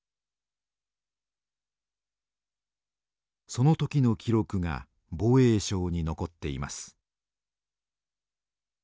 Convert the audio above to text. その時の記録が防衛省に残っています。